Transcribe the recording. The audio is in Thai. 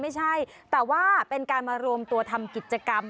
ไม่ใช่แต่ว่าเป็นการมารวมตัวทำกิจกรรม